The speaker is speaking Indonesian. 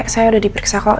saya udah diperiksa kok